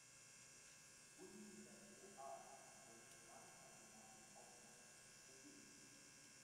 Bundesliga ProA, übersprang also nach dem Aufstieg die ProB.